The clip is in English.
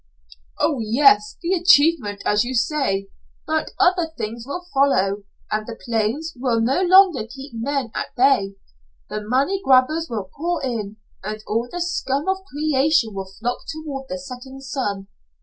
"Oh, yes, the achievement, as you say. But other things will follow, and the plains will no longer keep men at bay. The money grabbers will pour in, and all the scum of creation will flock toward the setting sun.